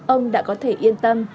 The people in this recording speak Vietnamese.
ông đã có thể yên tâm